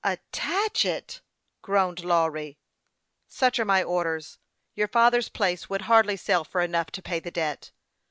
" Attach it !" groaned Lawry. " Such are my orders ; your father's place would hardly sell for enough to pay the debt."